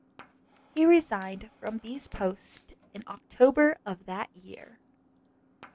He resigned from these posts in October of that year.